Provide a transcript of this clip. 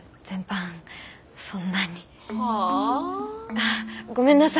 あごめんなさい。